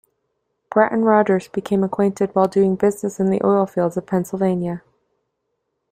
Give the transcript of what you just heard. Pratt and Rogers became acquainted while doing business in the oil fields of Pennsylvania.